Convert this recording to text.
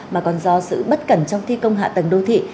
mà còn do sự bất cẩn trong thi công hạ tầng đô thị